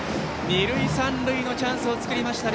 二塁三塁のチャンスを作りました。